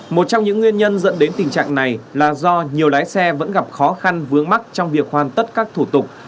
một trong những nguyên nhân dẫn đến tình trạng này là do nhiều lái xe vẫn gặp khó khăn vướng mắt trong việc hoàn tất các thủ tục